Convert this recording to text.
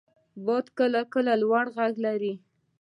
• باد کله کله لوړ ږغ لري.